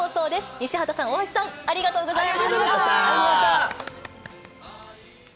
西畑さん、大橋さん、ありがとうありがとうございました。